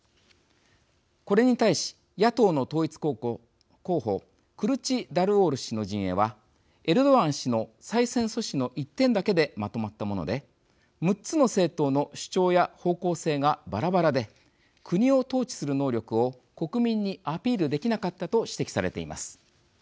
これに対し野党の統一候補クルチダルオール氏の陣営はエルドアン氏の再選阻止の１点だけでまとまったもので６つの政党の主張や方向性がばらばらで国を統治する能力を国民にアピールできなかったと指摘されています。